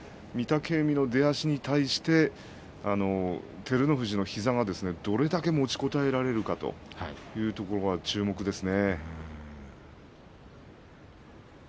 御嶽海の出足に対して照ノ富士の膝がどれだけ持ちこたえられるかというところが注目ですね。